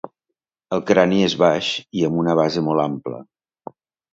El crani és baix i amb una base molt ampla.